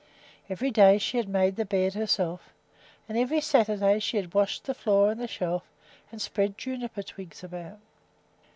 Every day she had made the bed herself, and every Saturday she had washed the floor and the shelf, and spread juniper twigs about.